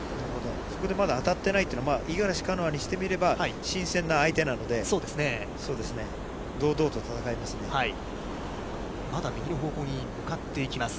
そこでまだ当たっていないというのは、五十嵐カノアにしてみれば、新鮮な相手なので、堂々とまだ右の方向に向かっていきます。